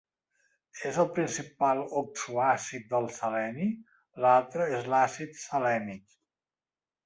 És el principal oxoàcid del seleni; l'altre és l'àcid selènic.